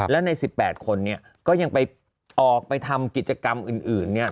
และใน๑๘คนเนี่ยก็ยังไปออกไปทำกิจกรรมอื่นเนี่ย